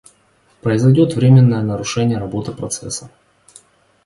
Произойдет временное нарушение работы процесса